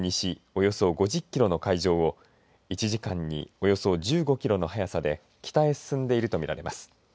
およそ５０キロの海上を１時間におよそ１５キロの速さで北へ進んでいるとみられます。